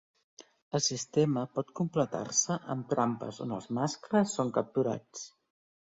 El sistema pot completar-se amb trampes on els mascles són capturats.